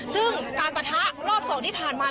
ซึ่งการปะทะรอบ๒ที่ผ่านมา